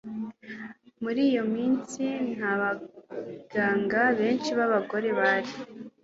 Muri iyo minsi nta baganga benshi babagore bari